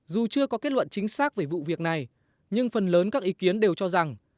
dù chưa có kết luận chính xác về vụ việc này nhưng phần lớn các ý kiến đều cho rằng